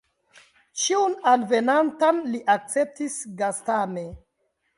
Ĉiun alvenantan li akceptis gastame.